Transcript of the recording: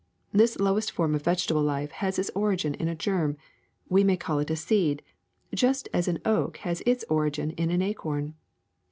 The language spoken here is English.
This lowest form of vegetable life has its origin in a germ, we may call it a seed, just as an oak has its origin in an acorn.